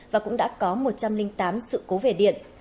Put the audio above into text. và cũng đã có một trăm linh tám sự cố về điện